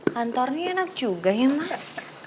kantornya enak juga ya mas